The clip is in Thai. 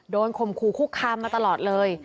โดนคมคูคุกคำมาตลอดเลย